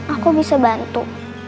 aku bisa bantu